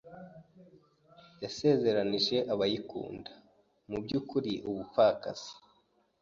yasezeranije abayikunda, mu byukuri ubupfakazi